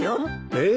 えっ？